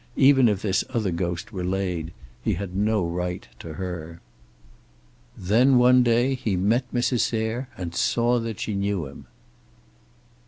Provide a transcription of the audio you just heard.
Even if this other ghost were laid, he had no right to her. Then, one day, he met Mrs. Sayre, and saw that she knew him.